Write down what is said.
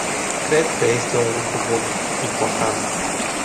Cred că este un lucru bun, important.